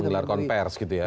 mengeluarkan pers gitu ya